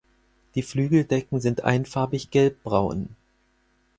Die Flügeldecken sind einfarbig gelbbraun.